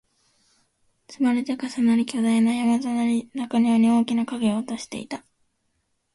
積まれて、重なり、巨大な山となり、中庭に大きな影を落としていた